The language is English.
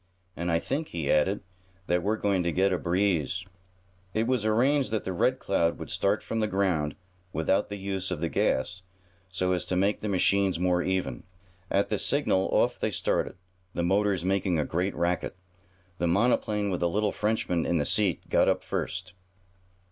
And I think," he added, "that we're going to get a breeze." It was arranged that the Red Cloud would start from the ground, without the use of the gas, so as to make the machines more even. At the signal off they started, the motors making a great racket. The monoplane with the little Frenchman in the seat got up first.